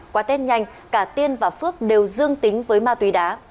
qua tết nhanh cả tiên và phước đều dương tính với ma túy đá